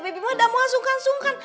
bibi mah udah mau sungkan sungkan